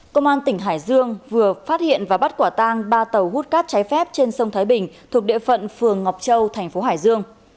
công an tỉnh hải dương vừa phát hiện và bắt quả tang ba tàu hút cát trái phép trên sông thái bình thuộc địa phận phường ngọc châu thành phố hải dương